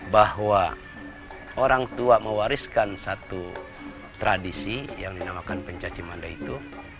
bahwa orang tua mewariskan satu tradisi yang dinamakan pencaci manda itu